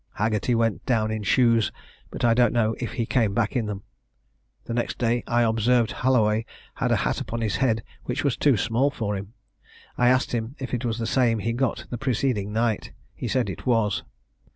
Haggerty went down in shoes, but I don't know if he came back in them. The next day I observed Holloway had a hat upon his head which was too small for him. I asked him if it was the same he got the preceding night. He said it was.